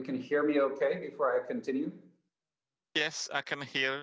jika kita bisa ke tempat berikutnya silakan